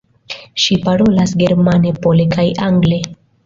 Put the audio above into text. Ŝi parolas germane, pole kaj angle.